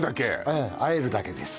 ええ和えるだけです